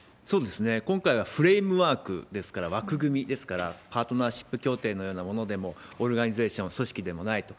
今回はフレームワークですから、枠組みですから、パートナーシップ協定のようなものでも、オーガニゼーション、組織でもないと。